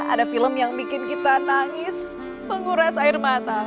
ada film yang bikin kita nangis menguras air mata